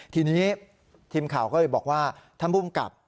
ทีนี้ทีมข่าวก็เลยบอกว่าท่านภูมิกับ